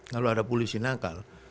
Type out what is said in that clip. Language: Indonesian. kalau ada polisi nakal